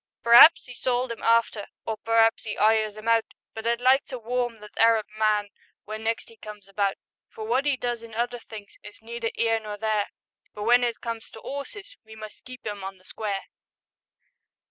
Per'aps 'e sold 'im after, Or per'aps 'e 'ires 'im out, But I'd like to warm that Arab man Wen next 'e comes about; For wot 'e does in other things Is neither 'ere nor there, But w'en it comes to 'orses We must keep 'im on the square.